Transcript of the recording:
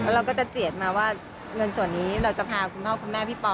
เราก็จะเจียดมาว่าเงินส่วนนี้เราจะพาคุณพ่อคุณแม่พี่ปอ